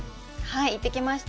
行ってきました。